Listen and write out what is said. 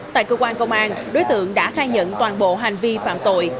tại cơ quan công an đối tượng đã khai nhận toàn bộ hành vi phạm tội